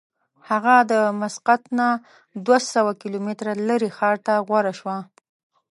هغه د مسقط نه دوه سوه کیلومتره لرې ښار ته غوره شوه.